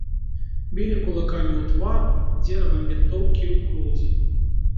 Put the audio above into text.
Білі кулакамі ў твар, дзеравам вінтоўкі ў грудзі.